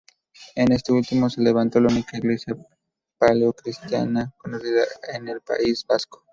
En este último se levantó la única iglesia paleocristiana conocida en el País Vasco.